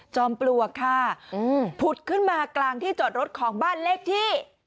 ปลวกค่ะผุดขึ้นมากลางที่จอดรถของบ้านเลขที่